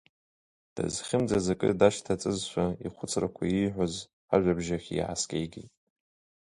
Дызхьымӡаз акы дашьҭаҵызшәа, ихәыцрақәа ииҳәоз ажәабжь ахь иааскьеигеит.